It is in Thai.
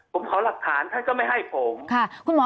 ผมขอหลักฐานถ้าน่ก็ไม่ให้ผม